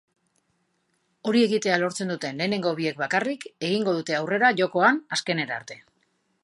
Hori egitea lortzen duten lehenengo biek bakarrik egingo dute aurrera jokoan azkenera arte.